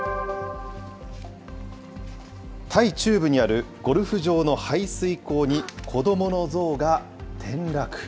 タイ中部にあるゴルフ場の排水溝に子どもの象が転落。